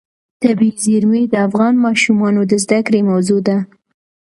طبیعي زیرمې د افغان ماشومانو د زده کړې موضوع ده.